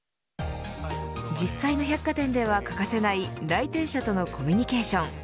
実際の百貨店では欠かせない来店者とのコミュニケーション。